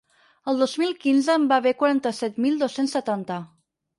El dos mil quinze en va haver quaranta-set mil dos-cents setanta.